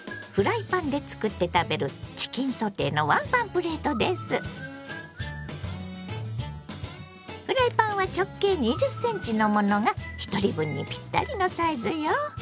フライパンで作って食べるフライパンは直径２０ｃｍのものがひとり分にぴったりのサイズよ。